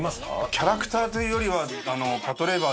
キャラクターというよりは。